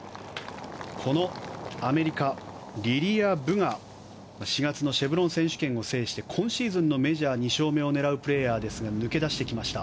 このアメリカ、リリア・ブが４月のシェブロン選手権を制して今シーズンのメジャー２勝目を狙うプレーヤーですが抜け出してきました。